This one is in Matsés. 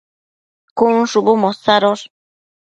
cun shubu mosadosh